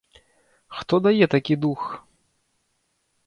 Хто дае такі дух?